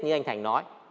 như anh thành nói